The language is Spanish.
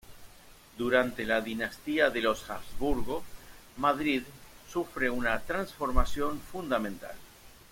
Durante la dinastía de los Habsburgo, Madrid sufre una transformación fundamental.